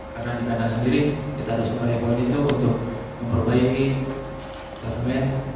karena di kandang sendiri kita harus meraih poin itu untuk memperbaiki klasmen